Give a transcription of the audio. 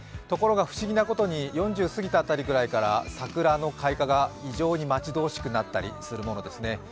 ところが、不思議なことに４０すぎたあたりくらいから桜の開花が異常に待ち遠しくなったりするものですね。